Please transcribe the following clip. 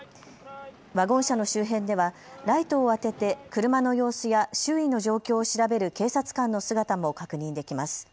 ワゴン車の周辺ではライトを当てて車の様子や周囲の状況を調べる警察官の姿も確認できます。